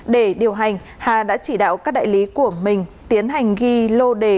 để điều hành hà đã chỉ đạo các đại lý của mình tiến hành ghi lô đề